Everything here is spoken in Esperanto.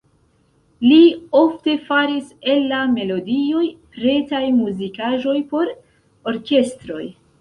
Li ofte faris el la melodioj pretaj muzikaĵoj por orkestroj.